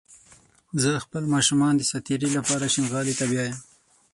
زه خپل ماشومان د ساعتيرى لپاره شينغالي ته بيايم